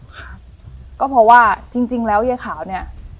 ครับก็เพราะว่าจริงจริงแล้วยายขาวเนี่ย